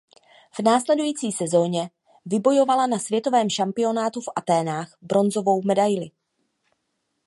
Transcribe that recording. V následující sezóně vybojovala na světovém šampionátu v Athénách bronzovou medaili.